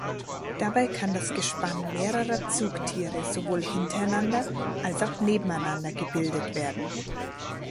Dabei kann das Gespann mehrerer Zugtiere sowohl hintereinander als auch nebeneinander gebildet werden.